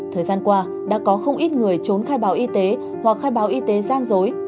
thời gian qua đã có không ít người trốn khai báo y tế hoặc khai báo y tế gian dối